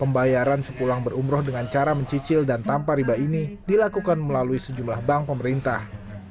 pembayaran sepulang berumroh dengan cara mencicil dan tanpa riba ini dilakukan melalui sejumlah bank pemerintah